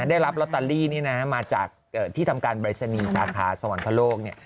ได้รับลอตเตอรี่นี่นะฮะมาจากที่ทำการบริษณีย์สาขาสวรรค์พระโลกเนี่ย